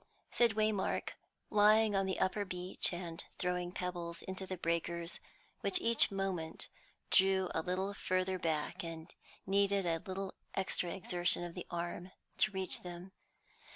said Waymark, lying on the upper beach and throwing pebbles into the breakers, which each moment drew a little further back and needed a little extra exertion of the arm to reach them.